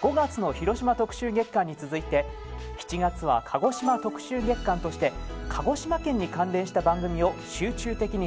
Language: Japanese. ５月の広島特集月間に続いて７月は鹿児島特集月間として鹿児島県に関連した番組を集中的に編成。